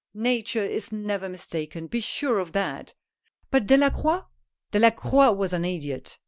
Nature is never mistaken, be sure of that." " But Delacroix ?"" Delacroix was an idiot.